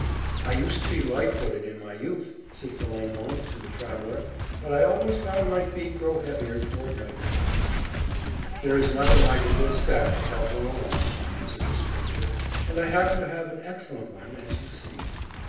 "I used to be light footed, in my youth," said Philemon to the traveller. "But I always found my feet grow heavier toward nightfall." "There is nothing like a good staff to help one along," answered the stranger; "and I happen to have an excellent one, as you see."